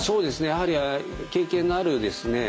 やはり経験のあるですね